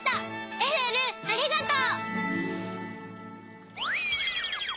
えるえるありがとう。